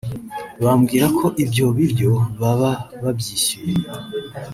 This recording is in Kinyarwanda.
bambwira ko ibyo biryo baba babyishyuye